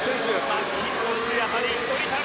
マッキントッシュやはり一人旅。